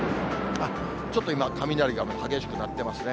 ちょっと今、雷が激しくなってますね。